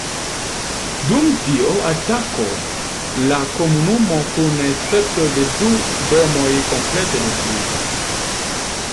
Dum tio atako la komunumo kun escepto de du domoj komplete detruiĝis.